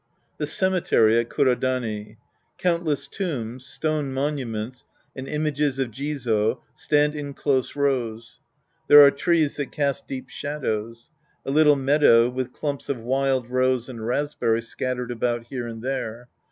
{J'he cemetery at Kurodani. Countless tombs, stone monuments and images of Jizo stand in close rows. There are trees that cast deep shadows. A little mea dow, with clumps of wild rose and raspberry scattered about here and there.